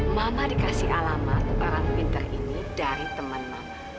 mama dikasih alamat orang pintar ini dari teman mama